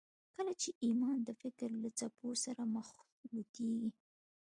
کله چې ایمان د فکر له څپو سره مخلوطېږي